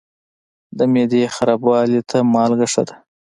د معدې خرابوالي ته مالګه ښه ده.